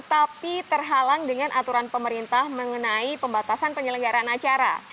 tapi terhalang dengan aturan pemerintah mengenai pembatasan penyelenggaran acara